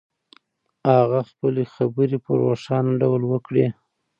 هغه خپلې خبرې په روښانه ډول وکړې.